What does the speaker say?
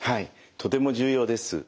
とても重要です。